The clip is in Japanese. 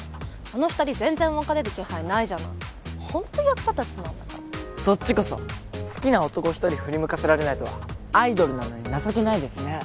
あの２人全然別れる気配ないじゃないホント役立たずなんだからそっちこそ好きな男一人振り向かせられないとはアイドルなのに情けないですねえ